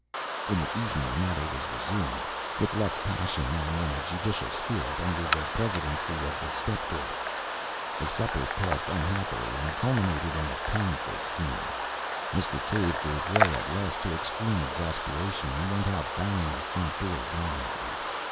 In the evening the matter was resumed, with less passion and in a judicial spirit, under the presidency of the step daughter. The supper passed unhappily and culminated in a painful scene. Mr. Cave gave way at last to extreme exasperation, and went out banging the front door violently.